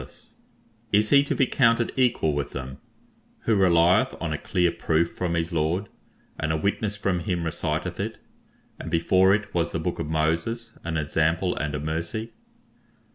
P: Is he (to be counted equal with them) who relieth on a clear proof from his Lord, and a witness from Him reciteth it, and before it was the Book of Moses, an example and a mercy?